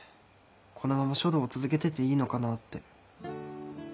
このまま書道を続けてていいのかなって。